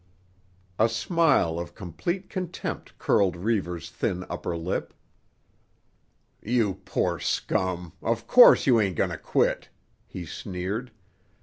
A smile of complete contempt curled Reivers' thin upper lip. "You poor scum, of course you ain't going to quit," he sneered.